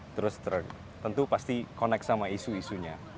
terus tentu pasti connect sama isu isunya